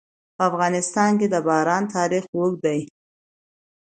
په افغانستان کې د باران تاریخ اوږد دی.